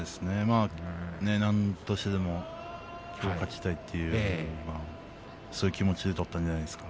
なんとしてでもきょう勝ちたいというそういう気持ちで取ったんじゃないですか。